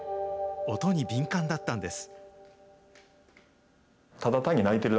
音に敏感だったんです。